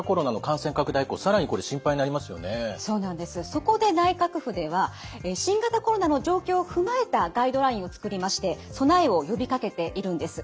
そこで内閣府では新型コロナの状況を踏まえたガイドラインを作りまして備えを呼びかけているんです。